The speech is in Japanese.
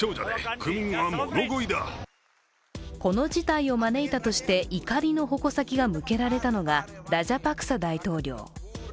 この事態を招いたとして怒りの矛先が向けられたのがラジャパクサ大統領。